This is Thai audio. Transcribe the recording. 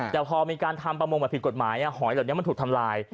แต่พอมีการทำประมงแบบผิดกฎหมายหอยเหล่านี้มันถูกทำลาย